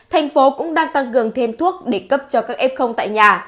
thành phố cũng đang tăng cường thêm thuốc để cấp cho các f tại nhà